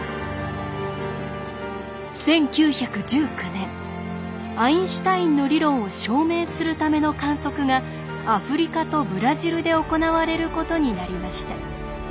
１９１９年アインシュタインの理論を証明するための観測がアフリカとブラジルで行われることになりました。